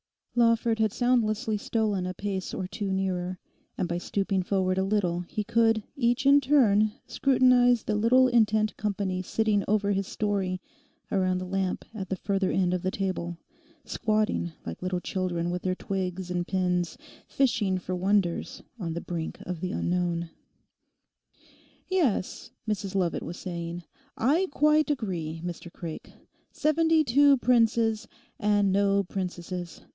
Lawford had soundlessly stolen a pace or two nearer, and by stooping forward a little he could, each in turn, scrutinise the little intent company sitting over his story around the lamp at the further end of the table; squatting like little children with their twigs and pins, fishing for wonders on the brink of the unknown. 'Yes,' Mrs Lovat was saying, 'I quite agree, Mr Craik. Seventy two princes, and no princesses.